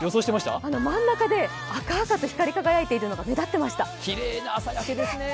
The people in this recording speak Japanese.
真ん中で赤々と光り輝いていたのが目立ってました。